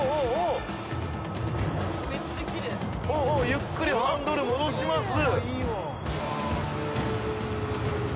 ゆっくりハンドル戻します。